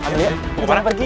gimana pergi yuk